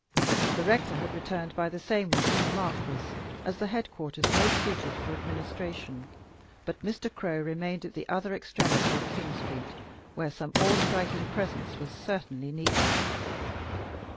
The rector had returned by the same way to the Marquis, as the headquarters most suited for administration, but Mr. Crow remained at the other extremity of King Street, where some awe striking presence was certainly needed.